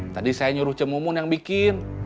tadi saya nyuruh cuma mun yang bikin